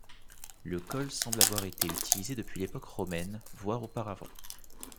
Le col semble avoir été utilisé depuis l'époque romaine, voire auparavant.